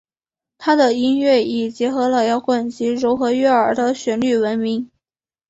她的音乐以结合了摇滚及柔和悦耳的旋律闻名。